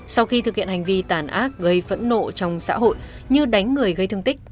sau khi thực hiện hành vi tàn ác gây phẫn nộ trong xã hội như đánh người gây thương tích